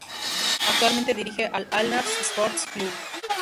Actualmente dirige al Al-Nasr Sports Club.